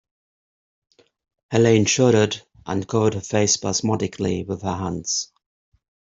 Helene shuddered and covered her face spasmodically with her hands.